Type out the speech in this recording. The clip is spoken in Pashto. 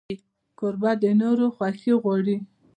کوربه د نورو خوښي غواړي.